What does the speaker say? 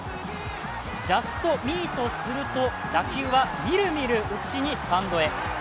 ジャストミートすると打球はミルミルうちにスタンドへ。